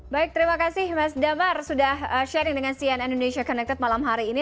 baik terima kasih mas damar sudah sharing dengan cnn indonesia connected malam hari ini